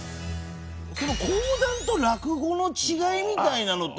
その講談と落語の違いみたいなのって。